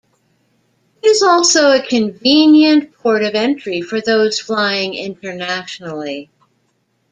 It is also a convenient Port of Entry for those flying internationally.